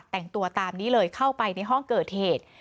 แต่งตัวตามนี้เลยเข้าไปในห้องเกิดเหตุ